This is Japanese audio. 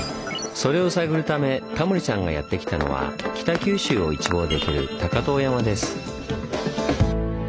それを探るためタモリさんがやって来たのは北九州を一望できる高塔山です。